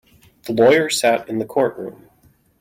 The lawyer sat in the courtroom.